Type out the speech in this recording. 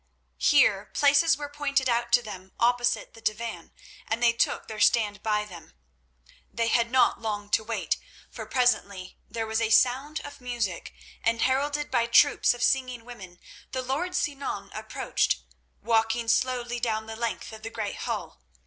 Here places were pointed out to them opposite the divan, and they took their stand by them. They had not long to wait, for presently there was a sound of music, and, heralded by troops of singing women, the lord Sinan approached, walking slowly down the length of the great hall.